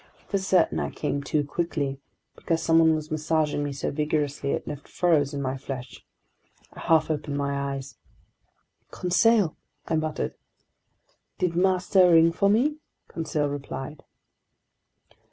... For certain, I came to quickly, because someone was massaging me so vigorously it left furrows in my flesh. I half opened my eyes. ... "Conseil!" I muttered. "Did master ring for me?" Conseil replied.